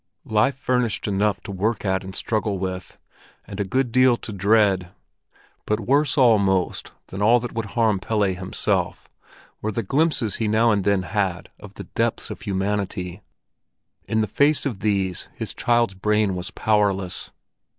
Life furnished enough to work at and struggle with, and a good deal to dread; but worse almost than all that would harm Pelle himself, were the glimpses he now and then had of the depths of humanity: in the face of these his child's brain was powerless.